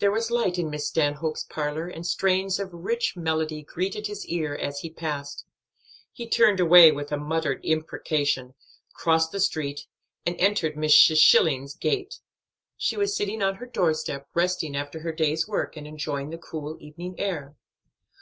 There was light in Miss Stanhope's parlor and strains of rich melody greeted his ear as he passed. He turned away with a muttered imprecation, crossed the street, and entered Mrs. Schilling's gate. She was sitting on her doorstep, resting after her day's work, and enjoying the cool evening air.